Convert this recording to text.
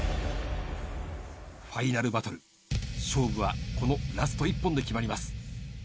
ファイナルバトル、勝負はこのラスト一本で決まります。